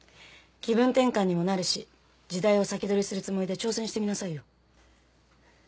気分転換にもなるし時代を先取りするつもりで挑戦してみなさいよ。